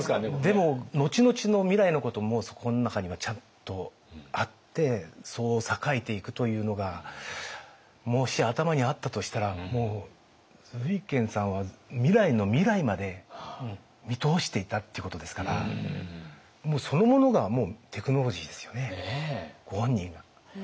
でも後々の未来のこともそこの中にはちゃんとあってそう栄えていくというのがもし頭にあったとしたらもう瑞賢さんはそのものがもうテクノロジーですよねご本人が。